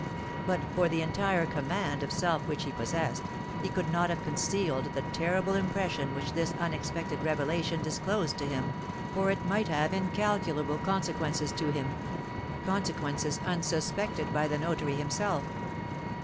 But for the entire command of self which he possessed, he could not have concealed the terrible impression which this unexpected revelation disclosed to him, for it might have incalculable consequences to him, consequences unsuspected by the notary himself.